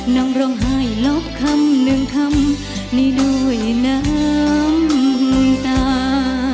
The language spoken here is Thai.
น้องร้องหายหลอกคำหนึ่งคำนี่โดยน้ำตา